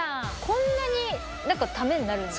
こんなにためになるんだ。